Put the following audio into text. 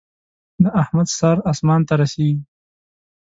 د احمد سر اسمان ته رسېږي.